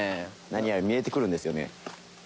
何やら見えてくるんですよね。